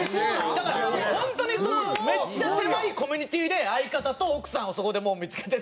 だから本当にめっちゃ狭いコミュニティーで相方と奥さんをそこでもう見付けてるんで。